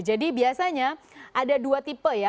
jadi biasanya ada dua tipe ya